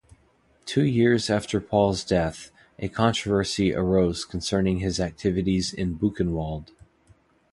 Two years after Paul's death, a controversy arose concerning his activities in Buchenwald.